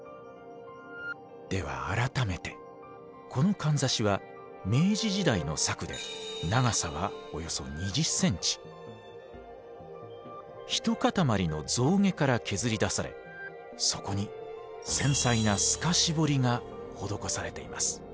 では改めてこのかんざしは明治時代の作で長さはおよそ一塊の象牙から削り出されそこに繊細な透かし彫りが施されています。